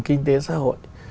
kinh tế xã hội